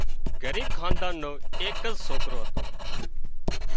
ڳريٻ حاندان نو ايڪز سوڪرو هتو